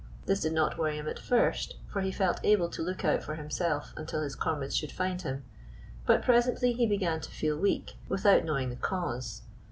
This did not worry him at first, for he felt able to lookout for himself until his comrades should find him; but presently he began to feel weak, without know ing the cause.